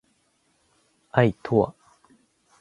愛とは